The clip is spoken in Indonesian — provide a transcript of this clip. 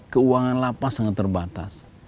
keuangan lapas sangat terbatas